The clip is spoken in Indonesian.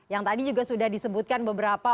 yang tadi juga sudah disebutkan beberapa